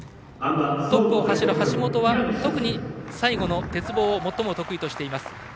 トップを走る橋本は特に最後の鉄棒を最も得意としています。